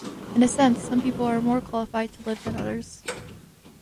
In essence, some people are more qualified to live than others.